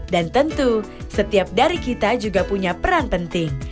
dan tentu setiap dari kita juga punya peran penting